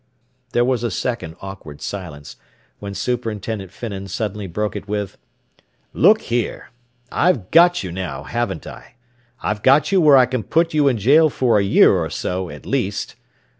There was a second awkward silence, when Superintendent Finnan suddenly broke it with, "Look here. I've got you now, haven't I? I've got you where I can put you in jail for a year or so at least.